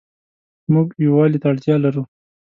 موږ يووالي ته اړتيا لرو